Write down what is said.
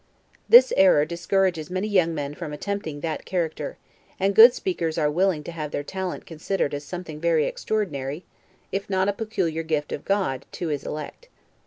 This error discourages many young men from attempting that character; and good speakers are willing to have their talent considered as something very extraordinary, if not, a peculiar gift of God to his elect.